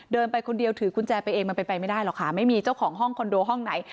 ไปคนเดียวถือกุญแจไปเองมันเป็นไปไม่ได้หรอกค่ะไม่มีเจ้าของห้องคอนโดห้องไหน